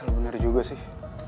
ya lo bener juga sih